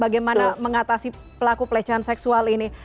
bagaimana mengatasi pelaku pelecehan seksual ini